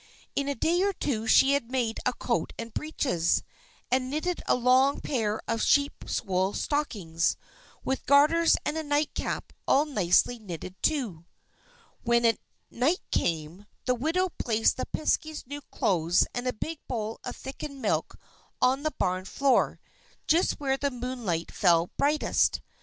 In a day or two she had made a coat and breeches, and knitted a long pair of sheep's wool stockings, with garters and a nightcap all nicely knitted, too. When night came, the widow placed the Piskey's new clothes and a big bowl of thickened milk on the barn floor, just where the moonlight fell brightest.